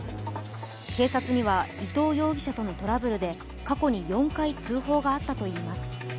警察には伊藤容疑者とのトラブルで過去に４回通報があったといいます